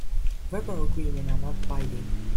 Verbal agreements are not binding.